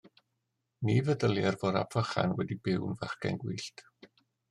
Na feddylier fod Ap Vychan wedi byw'n fachgen gwyllt.